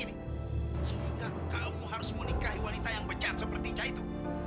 sehingga kamu harus menikahi wanita yang becat seperti ica itu